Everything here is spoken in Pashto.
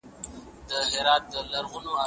د اوبو وېش باید عادلانه وي.